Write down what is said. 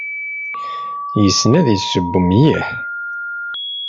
Yessen ad yesseww mliḥ.